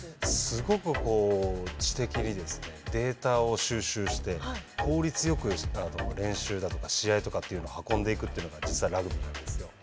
すごくこう知的にですねデータを収集して効率よく練習だとか試合とかっていうの運んでいくっていうのが実はラグビーなんですよ。